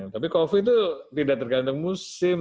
tapi covid itu tidak tergantung musim